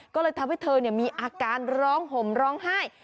ก็เลยทำให้เธอมีอาการร้องห่มร้องไห้